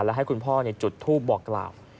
และให้คุณพ่อจุดทูปบอกกล่าว